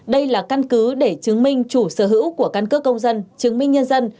đây là căn cứ để chứng minh chủ sở hữu của căn cước công dân chứng minh nhân dân